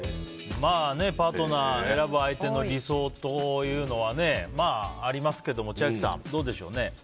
パートナー選ぶ相手の理想というのはありますけれども千秋さん、どうでしょうね。